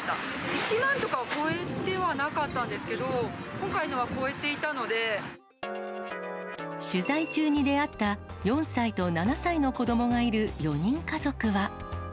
１万とかを超えてはなかったんですけれども、取材中に出会った、４歳と７歳の子どもがいる４人家族は。